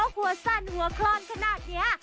ยกหัวสั้นหัวคร่อนขนาดเนี้ย